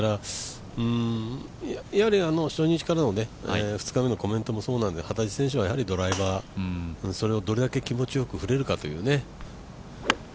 やはり初日からの、２日目のコメントもそうなんですが幡地選手はやはりドライバーをどれだけ気持ちよく振れるかどうかですね。